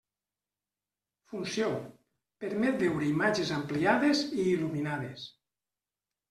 Funció: permet veure imatges ampliades i il·luminades.